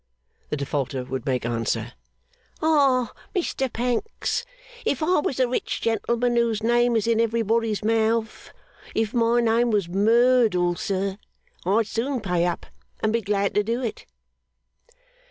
The Defaulter would make answer, 'Ah, Mr Pancks. If I was the rich gentleman whose name is in everybody's mouth if my name was Merdle, sir I'd soon pay up, and be glad to do it.